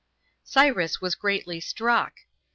Cyrus was greatly struck.